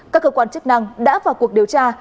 các cơ quan chức năng đã vào cuộc điều tra